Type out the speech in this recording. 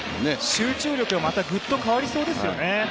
集中力がまたグッと代わりそうですよね。